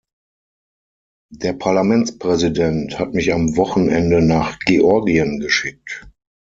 Der Parlamentspräsident hat mich am Wochenende nach Georgien geschickt.